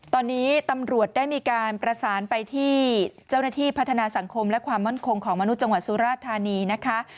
ตอนนี้ตำรวจได้มีการประสานไปที่เจ้าหน้าที่พัฒนาสังคมและความมั่นคงของมนุษย์จังหวัดสุราธานีนะคะ